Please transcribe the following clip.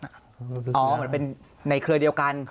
เหมือนเป็นในเครือเดียวกัน